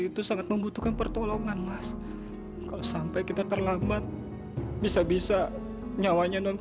itu sangat membutuhkan pertolongan mas kalau sampai kita terlambat bisa bisa nyawanya non